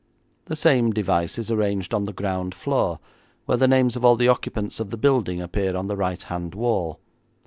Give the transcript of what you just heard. The same device is arranged on the ground floor, where the names of all the occupants of the building appear on the right hand wall.